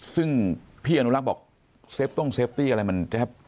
ซึ่งพี่อนุรักษ์บอกเซฟตรงเซฟตี้อะไรมันแทบ